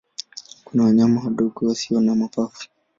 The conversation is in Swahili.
Kuna wanyama wadogo wasio na mapafu.